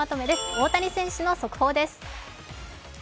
大谷選手の速報です。